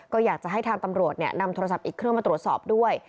ก็อยากจะให้ทางตำรวจนำโทรศัพท์อีกเครื่องมาตรวจสอบด้วย